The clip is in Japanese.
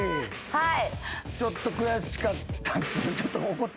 はい。